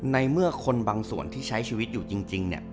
ในเมื่อคนบางส่วนที่ใช้ชีวิตอยู่จริง